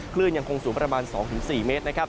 คลื่นยังคงสูงประมาณ๒๔เมตรนะครับ